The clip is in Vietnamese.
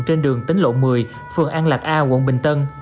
trên đường tính lộ một mươi phường an lạc a quận bình tân